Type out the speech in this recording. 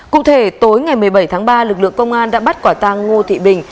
cụ thể tối ngày một mươi bảy tháng ba lực lượng công an đã bắt quả tăng ngô thị bình